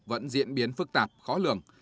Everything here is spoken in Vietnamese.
vẫn diễn biến phức tạp khó lường